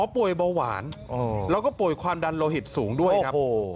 ป่วยเบาหวานแล้วก็ป่วยความดันโลหิตสูงด้วยครับ